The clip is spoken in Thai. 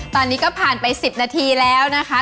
ตอนนี้ก็ผ่านไป๑๐นาทีแล้วนะคะ